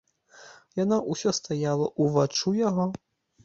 Яна ўсё стаяла ўваччу яго.